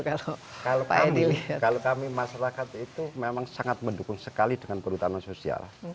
kalau kami masyarakat itu memang sangat mendukung sekali dengan perhutanan sosial